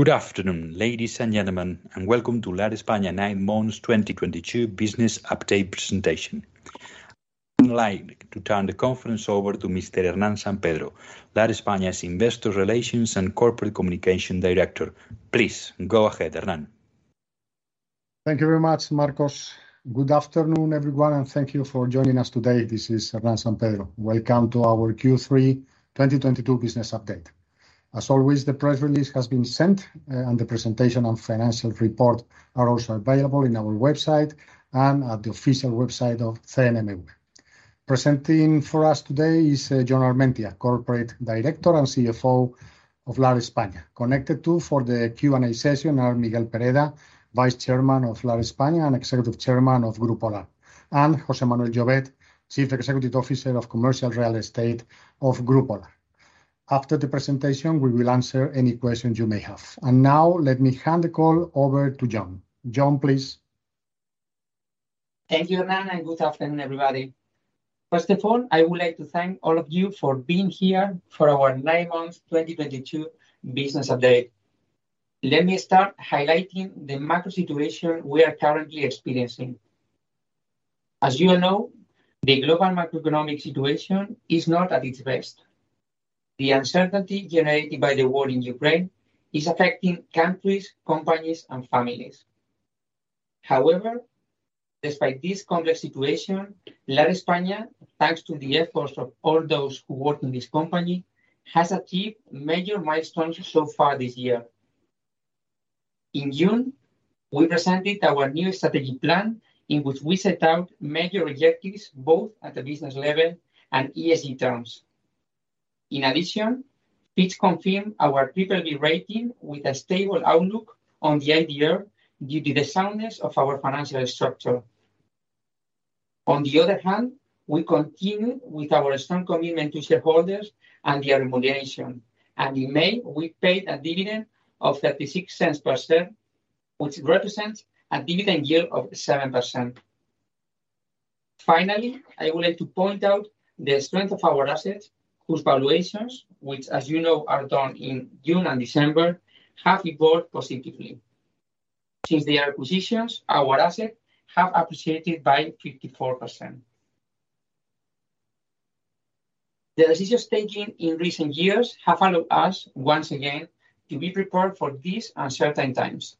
Good afternoon, ladies and gentlemen. Welcome to Lar España nine months 2022 business update presentation. I would like to turn the conference over to Mr. Hernán San Pedro, Lar España's Investor Relations and Corporate Communication Director. Please go ahead, Hernán. Thank you very much, Marcos. Good afternoon, everyone, and thank you for joining us today. This is Hernán San Pedro. Welcome to our Q3 2022 business update. As always, the press release has been sent, and the presentation and financial report are also available in our website and at the official website of CNMV. Presenting for us today is Jon Armentia, Corporate Director and CFO of Lar España. Connected too for the Q&A session are Miguel Pereda, Vice Chairman of Lar España and Executive Chairman of Grupo Lar, and José Manuel Llovet, Chief Executive Officer of Commercial Real Estate of Grupo Lar. After the presentation, we will answer any questions you may have. Now let me hand the call over to Jon. Jon, please. Thank you, Hernán, and good afternoon, everybody. First of all, I would like to thank all of you for being here for our nine months 2022 business update. Let me start highlighting the macro situation we are currently experiencing. As you all know, the global macroeconomic situation is not at its best. The uncertainty generated by the war in Ukraine is affecting countries, companies and families. However, despite this complex situation, Lar España, thanks to the efforts of all those who work in this company, has achieved major milestones so far this year. In June, we presented our new strategic plan, in which we set out major objectives both at the business level and ESG terms. Fitch confirmed our BBB rating with a stable outlook on the idea due to the soundness of our financial structure. On the other hand, we continue with our strong commitment to shareholders and their remuneration, and in May we paid a dividend of 0.36 per share, which represents a dividend yield of 7%. Finally, I would like to point out the strength of our assets, whose valuations, which as you know are done in June and December, have evolved positively. Since the acquisitions, our assets have appreciated by 54%. The decisions taken in recent years have allowed us once again to be prepared for these uncertain times.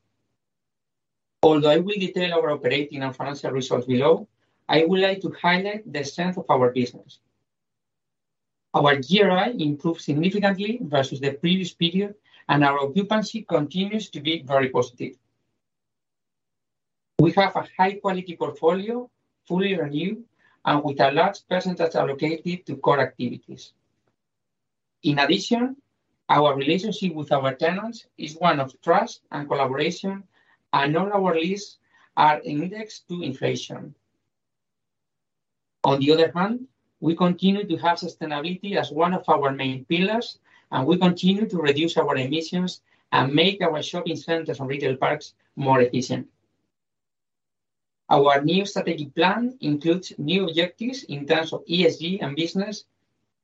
Although I will detail our operating and financial results below, I would like to highlight the strength of our business. Our GRI improved significantly versus the previous period, and our occupancy continues to be very positive. We have a high quality portfolio, fully renewed and with a large percentage allocated to core activities. Our relationship with our tenants is one of trust and collaboration, and all our leases are indexed to inflation. We continue to have sustainability as one of our main pillars, and we continue to reduce our emissions and make our shopping centers and retail parks more efficient. Our new strategic plan includes new objectives in terms of ESG and business,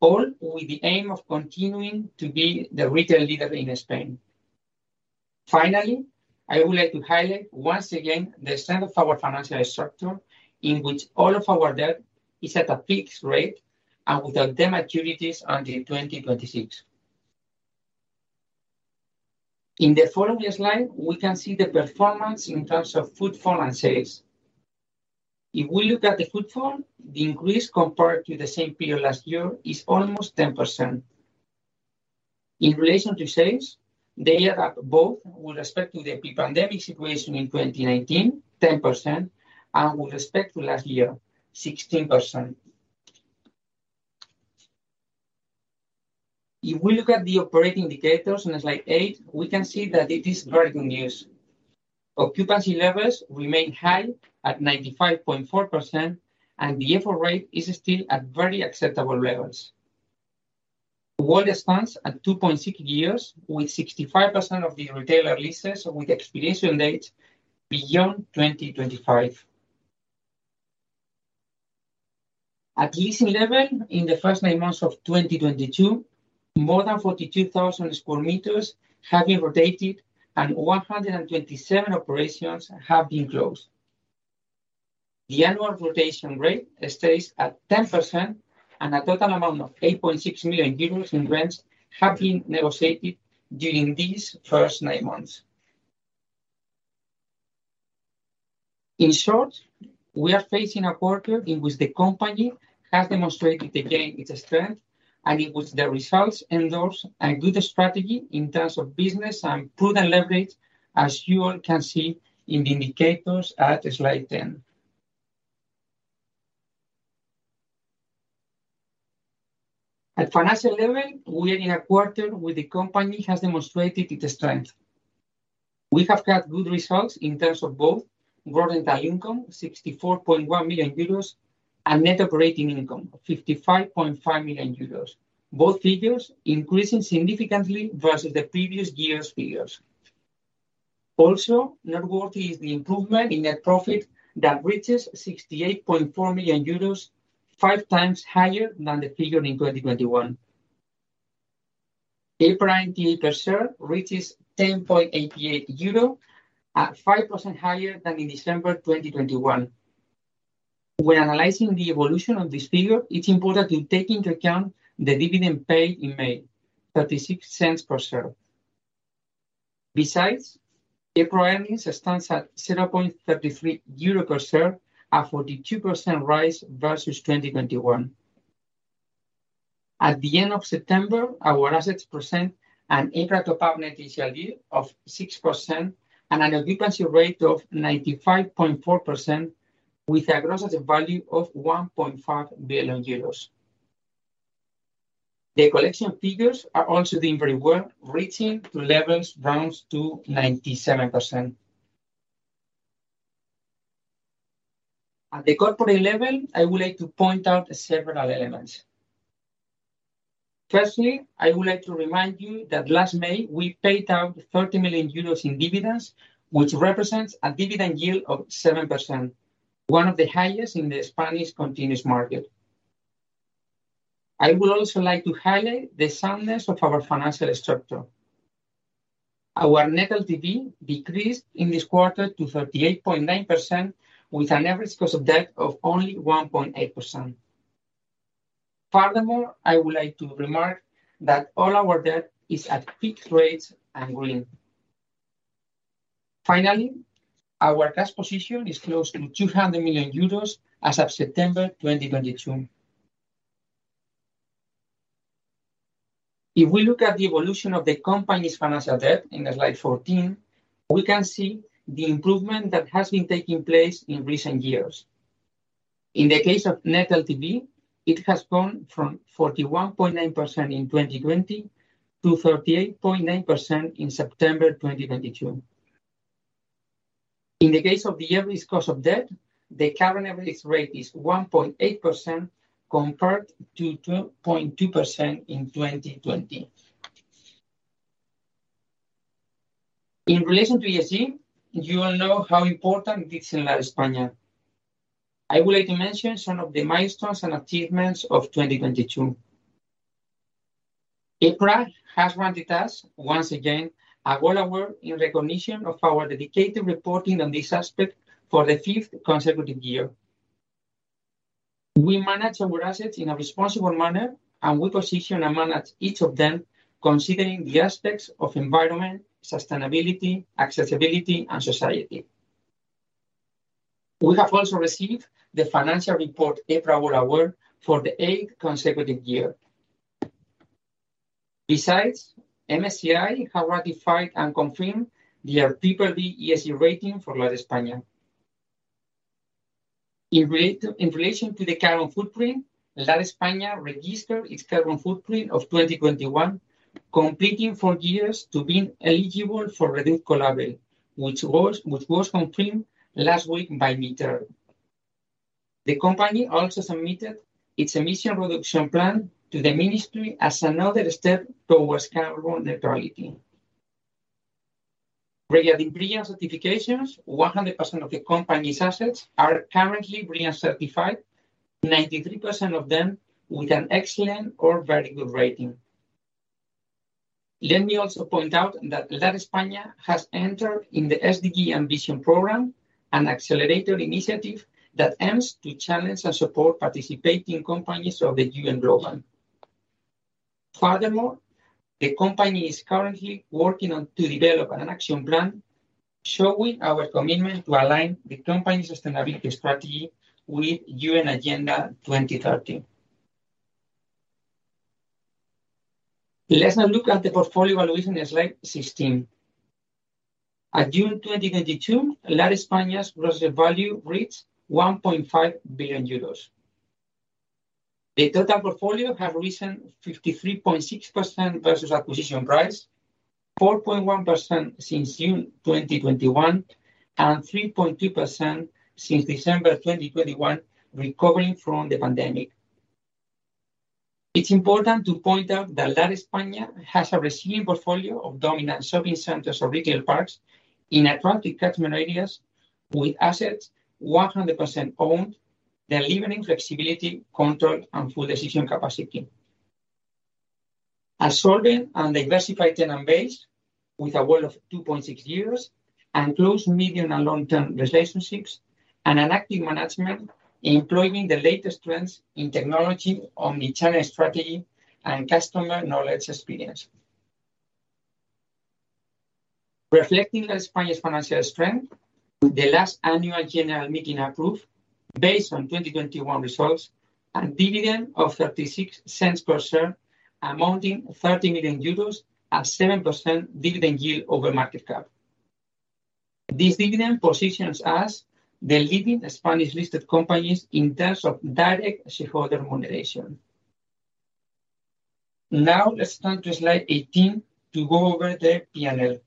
all with the aim of continuing to be the retail leader in Spain. I would like to highlight once again the strength of our financial structure, in which all of our debt is at a fixed rate and with the maturities until 2026. We can see the performance in terms of footfall and sales. If we look at the footfall, the increase compared to the same period last year is almost 10%. In relation to sales, they are up both with respect to the pre-pandemic situation in 2019, 10%, and with respect to last year, 16%. If we look at the operating indicators on slide eight, we can see that it is very good news. Occupancy levels remain high at 95.4%, and the FFO rate is still at very acceptable levels. The WALE spans at 2.6 years with 65% of the retailer leases with expiration date beyond 2025. At leasing level, in the first nine months of 2022, more than 42,000 sq m have been rotated and 127 operations have been closed. The annual rotation rate stays at 10%, and a total amount of 8.6 million euros in rents have been negotiated during these first nine months. In short, we are facing a quarter in which the company has demonstrated again its strength, in which the results endorse a good strategy in terms of business and prudent leverage, as you all can see in the indicators at slide 10. At financial level, we are in a quarter where the company has demonstrated its strength. We have had good results in terms of both gross rental income, 64.1 million euros, and net operating income, 55.5 million euros, both figures increasing significantly versus the previous year's figures. Also noteworthy is the improvement in net profit that reaches 68.4 million euros, 5x higher than the figure in 2021. EPRA NTA per share reaches 10.88 euro at 5% higher than in December 2021. When analyzing the evolution of this figure, it's important to take into account the dividend paid in May, 0.36 per share. EPRA earnings stands at 0.33 euro per share, a 42% rise versus 2021. At the end of September, our assets present an EPRA topped-up net initial yield of 6% and an occupancy rate of 95.4% with a gross asset value of 1.5 billion euros. The collection figures are also doing very well, reaching to levels rounds to 97%. At the corporate level, I would like to point out several elements. I would like to remind you that last May, we paid out 30 million euros in dividends, which represents a dividend yield of 7%, one of the highest in the Spanish continuous market. I would also like to highlight the soundness of our financial structure. Our net LTV decreased in this quarter to 38.9% with an average cost of debt of only 1.8%. Furthermore, I would like to remark that all our debt is at fixed rates and green. Finally, our cash position is close to 200 million euros as of September 2022. If we look at the evolution of the company's financial debt in the slide 14, we can see the improvement that has been taking place in recent years. In the case of net LTV, it has gone from 41.9% in 2020 to 38.9% in September 2022. In the case of the average cost of debt, the current average rate is 1.8% compared to 2.2% in 2020. In relation to ESG, you all know how important it is in Lar España. I would like to mention some of the milestones and achievements of 2022. EPRA has granted us, once again, a gold award in recognition of our dedicated reporting on this aspect for the 5th consecutive year. We manage our assets in a responsible manner, and we position and manage each of them considering the aspects of environment, sustainability, accessibility, and society. We have also received the Financial Report EPRA Award for the 8th consecutive year. Besides, MSCI have ratified and confirmed their BBB ESG rating for Lar España. In relation to the carbon footprint, Lar España registered its carbon footprint of 2021, completing four years to being eligible for Reduzco label, which was confirmed last week by AENOR. The company also submitted its emission reduction plan to the ministry as another step towards carbon neutrality. Regarding BREEAM certifications, 100% of the company's assets are currently BREEAM certified, 93% of them with an excellent or very good rating. Let me also point out that Lar España has entered in the SDG Ambition program, an accelerator initiative that aims to challenge and support participating companies of the UN Global. The company is currently working on to develop an action plan, showing our commitment to align the company's sustainability strategy with UN Agenda 2030. Let's now look at the portfolio valuation in slide 16. At June 2022, Lar España's gross value reached 1.5 billion euros. The total portfolio have risen 53.6% versus acquisition price, 4.1% since June 2021, and 3.2% since December 2021, recovering from the pandemic. It's important to point out that Lar España has a resilient portfolio of dominant shopping centers or retail parks in attractive catchment areas with assets 100% owned, delivering flexibility, control, and full decision capacity. Absorbing and diversified tenant base with a WALE of 2.6 years and close medium and long-term relationships and an active management employing the latest trends in technology, omnichannel strategy, and customer knowledge experience. Reflecting Lar España's financial strength, the last annual general meeting approved, based on 2021 results, a dividend of 0.36 per share, amounting 30 million euros at 7% dividend yield over market cap. This dividend positions us the leading Spanish-listed companies in terms of direct shareholder remuneration. Let's turn to slide 18 to go over the P&L.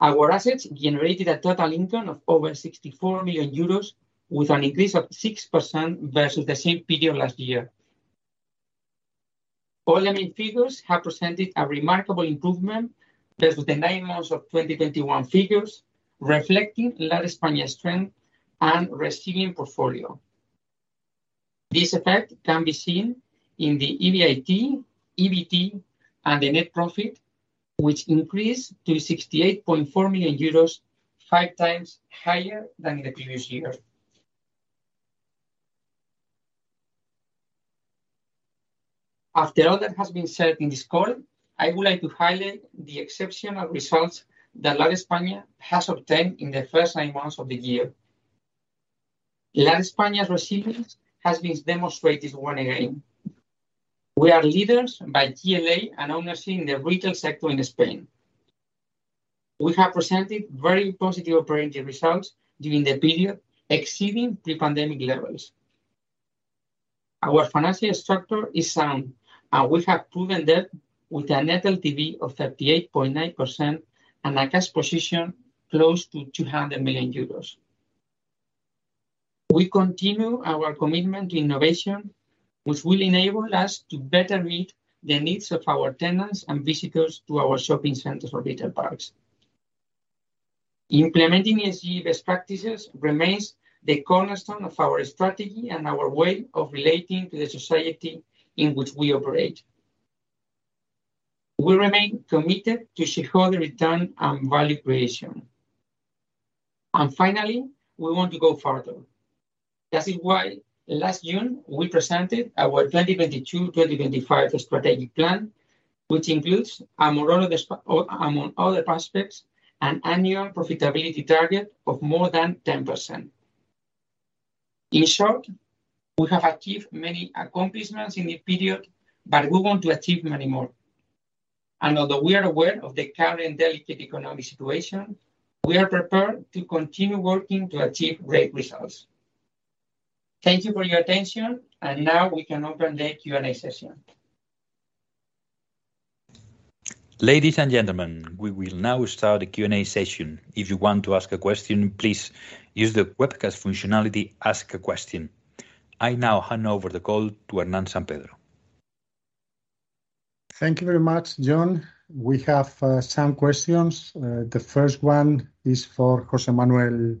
Our assets generated a total income of over 64 million euros with an increase of 6% versus the same period last year. All main figures have presented a remarkable improvement versus the nine months of 2021 figures, reflecting Lar España's strength and resilient portfolio. This effect can be seen in the EBIT, EBT and the net profit, which increased to 68.4 million euros, 5x higher than the previous year. All that has been said in this call, I would like to highlight the exceptional results that Lar España has obtained in the first nine months of the year. Lar España's resilience has been demonstrated one again. We are leaders by GLA and ownership in the retail sector in Spain. We have presented very positive operating results during the period, exceeding pre-pandemic levels. Our financial structure is sound. We have proven that with a net LTV of 38.9% and a cash position close to 200 million euros. We continue our commitment to innovation, which will enable us to better meet the needs of our tenants and visitors to our shopping centers or retail parks. Implementing ESG best practices remains the cornerstone of our strategy and our way of relating to the society in which we operate. We remain committed to shareholder return and value creation. Finally, we want to go further. That is why last June we presented our 2022/2025 strategic plan, which includes among all the aspects, an annual profitability target of more than 10%. In short, we have achieved many accomplishments in the period, but we want to achieve many more. Although we are aware of the current delicate economic situation, we are prepared to continue working to achieve great results. Thank you for your attention, and now we can open the Q&A session. Ladies and gentlemen, we will now start a Q&A session. If you want to ask a question, please use the webcast functionality Ask a Question. I now hand over the call to Hernán San Pedro. Thank you very much, Jon. We have some questions. The first one is for José Manuel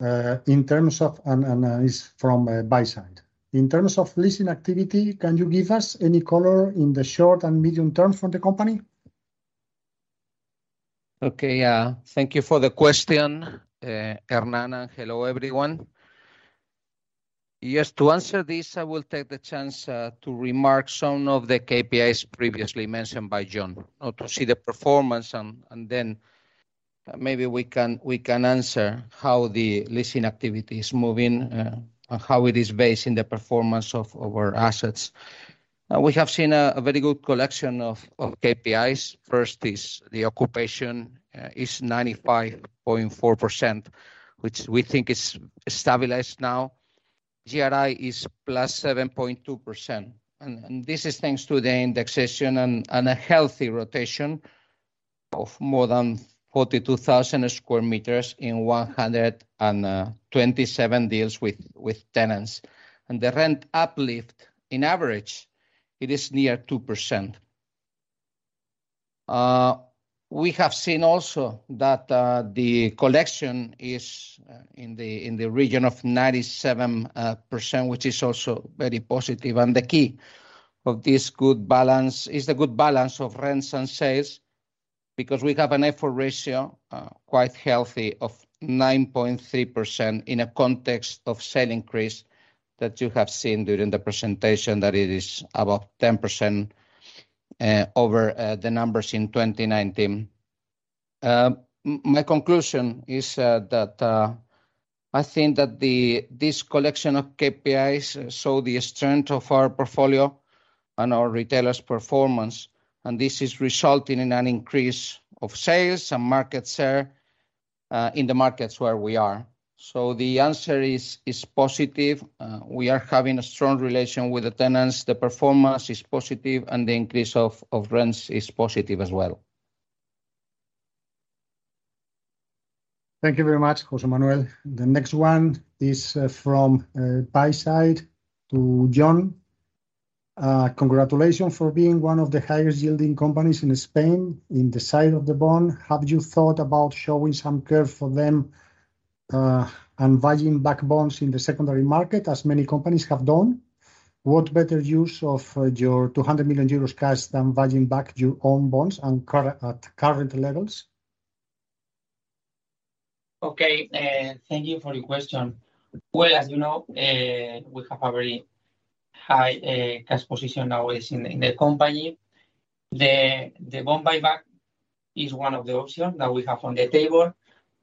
Llovet. Is from buy side. In terms of leasing activity, can you give us any color in the short and medium term for the company? Okay. Thank you for the question, Hernán. Hello, everyone. Yes, to answer this, I will take the chance to remark some of the KPIs previously mentioned by Jon. To see the performance and then maybe we can answer how the leasing activity is moving and how it is based in the performance of our assets. We have seen a very good collection of KPIs. First is the occupation, is 95.4%, which we think is stabilized now. GRI is +7.2%, and this is thanks to the indexation and a healthy rotation of more than 42,000 sq m in 127 deals with tenants. The rent uplift in average, it is near 2%. We have seen also that the collection is in the region of 97%, which is also very positive. The key of this good balance is the good balance of rents and sales, because we have an effort rate quite healthy of 9.3% in a context of sale increase that you have seen during the presentation, that it is about 10% over the numbers in 2019. My conclusion is that I think that this collection of KPIs show the strength of our portfolio and our retailers' performance, and this is resulting in an increase of sales and market share in the markets where we are. The answer is positive. We are having a strong relation with the tenants. The performance is positive, and the increase of rents is positive as well. Thank you very much, José Manuel. The next one is from buy side to Jon. Congratulations for being one of the highest yielding companies in Spain in the sale of the bond. Have you thought about showing some curve for them and buying back bonds in the secondary market as many companies have done? What better use of your 200 million euros cash than buying back your own bonds at current levels? Okay. Thank you for the question. Well, as you know, we have a very high cash position always in the company. The bond buyback is one of the option that we have on the table.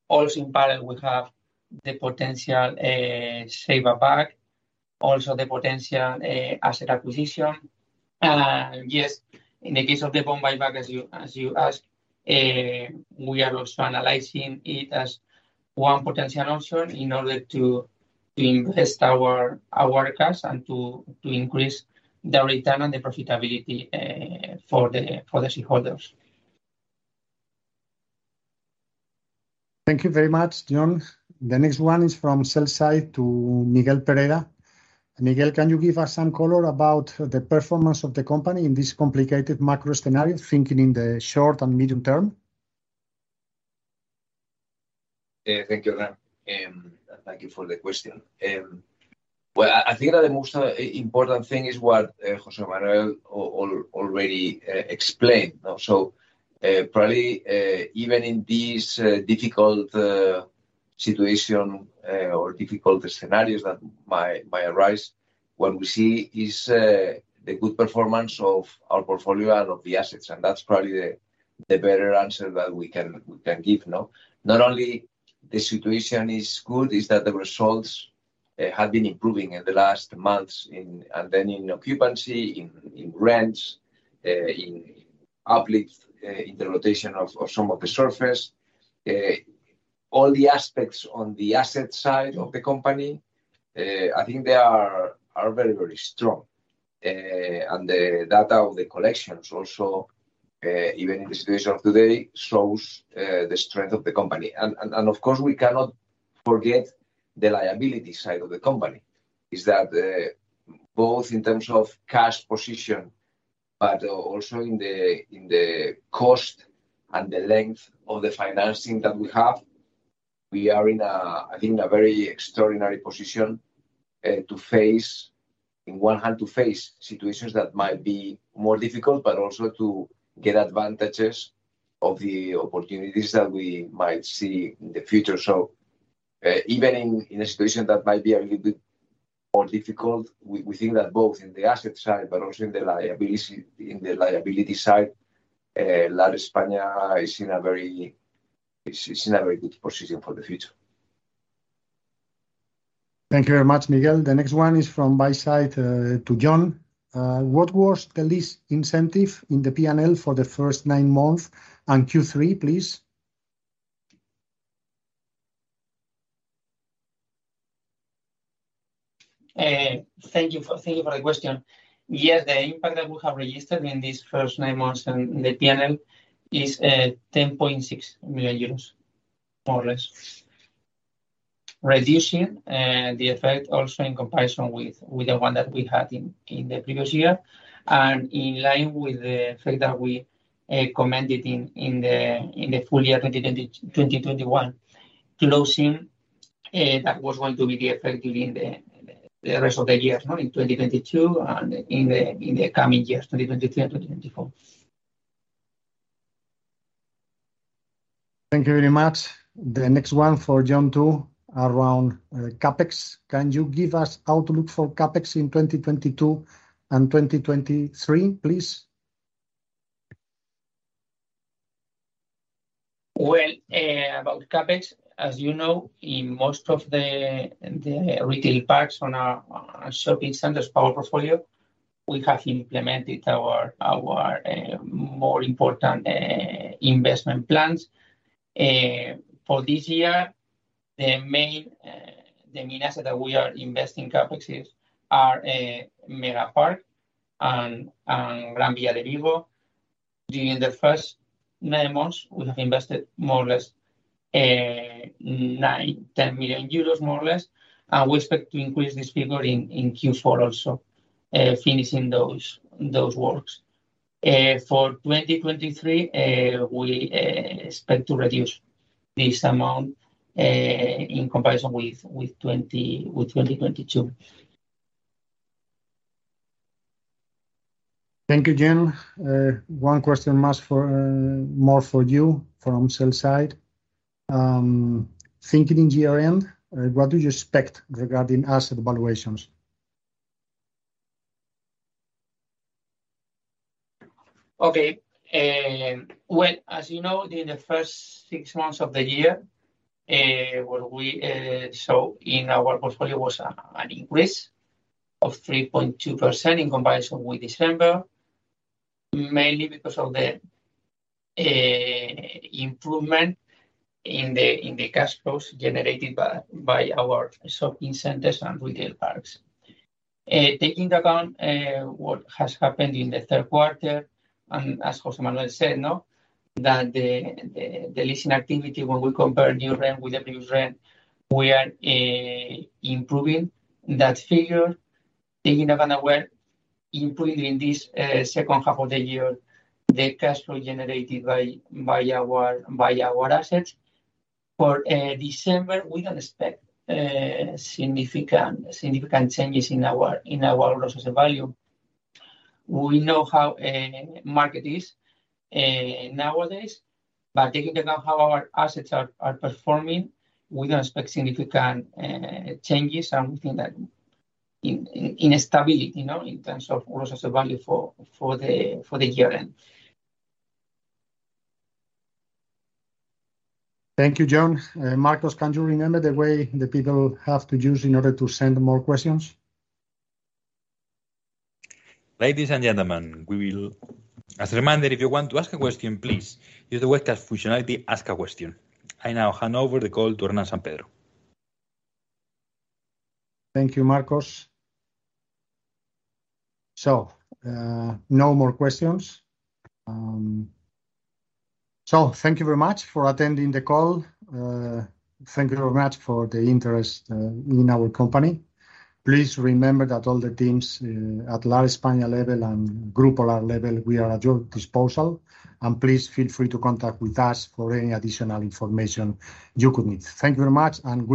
In parallel, we have the potential share buyback, also the potential asset acquisition. Yes, in the case of the bond buyback, as you ask, we are also analyzing it as one potential option in order to invest our cash and to increase the return and the profitability for the shareholders. Thank you very much, Jon. The next one is from sell side to Miguel Pereda. Miguel, can you give us some color about the performance of the company in this complicated macro scenario, thinking in the short and medium term? Thank you, Hernán. Thank you for the question. Well, I think that the most important thing is what José Manuel already explained. Probably, even in these difficult situation, or difficult scenarios that might arise, what we see is the good performance of our portfolio and of the assets, and that's probably the better answer that we can, we can give now. Not only the situation is good, it's that the results have been improving in the last months in occupancy, in rents, in uplift, in the rotation of some of the surface. All the aspects on the asset side of the company, I think they are very, very strong. The data of the collections also, even in the situation of today, shows the strength of the company. Of course, we cannot forget the liability side of the company is that, both in terms of cash position, but also in the cost and the length of the financing that we have. We are in a, I think a very extraordinary position in one hand to face situations that might be more difficult, but also to get advantages of the opportunities that we might see in the future. Even in a situation that might be a little bit more difficult, we think that both in the asset side, but also in the liability side, Lar España is in a very good position for the future. Thank you very much, Miguel. The next one is from buy side to Jon. What was the lease incentive in the P&L for the first nine months and Q3, please? Thank you for the question. Yes, the impact that we have registered in these first nine months in the P&L is 10.6 million euros, more or less. Reducing the effect also in comparison with the one that we had in the previous year, and in line with the fact that we commented in the full-year 2021 closing that was going to be the effect during the rest of the year, you know, in 2022 and in the coming years, 2023 and 2024. Thank you very much. The next one for Jon too, around CapEx. Can you give us outlook for CapEx in 2022 and 2023, please? Well, about CapEx, as you know, in most of the retail parks on our shopping centers power portfolio, we have implemented our more important investment plans. For this year, the main asset that we are investing CapEx is Megapark and Gran Vía de Vigo. During the first nine months, we have invested more or less 10 million euros, more or less. We expect to increase this figure in Q4 also, finishing those works. For 2023, we expect to reduce this amount in comparison with 2022. Thank you, Jon. One question must for, more for you from sell side. Thinking in year-end, what do you expect regarding asset valuations? Okay. Well, as you know, in the first six months of the year, what we saw in our portfolio was an increase of 3.2% in comparison with December, mainly because of the improvement in the cash flows generated by our shopping centers and retail parks. Taking into account what has happened in the third quarter, and as José Manuel said, no, that the leasing activity when we compare new rent with the new rent, we are improving that figure. Taking that into account, we are improving this second half of the year, the cash flow generated by our assets. For December, we don't expect significant changes in our losses value. We know how market is nowadays. By taking into account how our assets are performing, we don't expect significant changes and we think that in stability, you know, in terms of losses value for the year-end. Thank you, Jon. Marcos, can you remember the way the people have to use in order to send more questions? Ladies and gentlemen, As a reminder, if you want to ask a question, please use the webcast functionality Ask a Question. I now hand over the call to Hernán San Pedro. Thank you, Marcos. No more questions. Thank you very much for attending the call. Thank you very much for the interest in our company. Please remember that all the teams at Lar España level and Grupo Lar level, we are at your disposal, and please feel free to contact with us for any additional information you could need. Thank you very much and good evening.